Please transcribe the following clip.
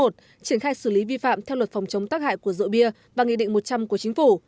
triển khai xử lý vi phạm theo luật phòng chống tác hại của rượu bia và nghị định một trăm linh của chính phủ